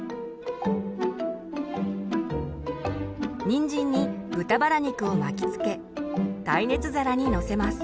にんじんに豚バラ肉を巻きつけ耐熱皿にのせます。